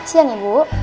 siang ya ibu